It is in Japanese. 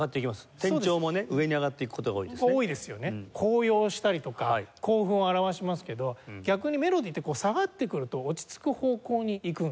高揚したりとか興奮を表しますけど逆にメロディってこう下がってくると落ち着く方向にいくんですよね。